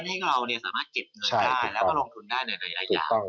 ให้เราสามารถเก็บเงินได้แล้วก็ลงทุนได้ในระยะยาว